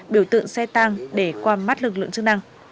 điều tượng xe tăng để qua mắt lực lượng chức năng